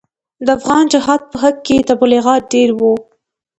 د افغان جهاد په حق کې تبلیغات ډېر وو.